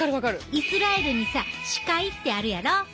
イスラエルにさ死海ってあるやろ？